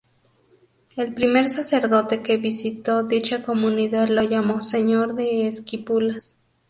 El primer sacerdote que visitó dicha comunidad lo llamó "Señor de Esquipulas".